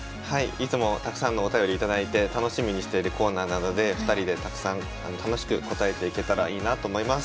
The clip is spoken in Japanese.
いつもたくさんのお便り頂いて楽しみにしているコーナーなので２人でたくさん楽しく答えていけたらいいなと思います。